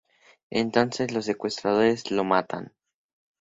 Entonces los secuestradores lo matan.